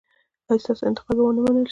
ایا ستاسو انتقاد به و نه منل شي؟